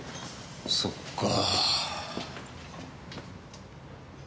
そっか。